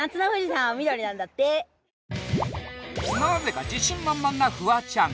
なぜか自信満々なフワちゃん